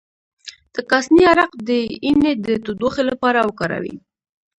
د کاسني عرق د ینې د تودوخې لپاره وکاروئ